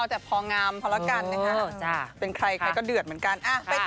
ต้องฟังจากปากแมทดีกว่าค่ะ